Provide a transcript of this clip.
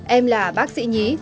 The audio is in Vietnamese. em là bác sĩ nhí